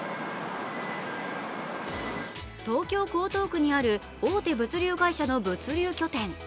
東京・江東区にある大手物流会社の物流拠点。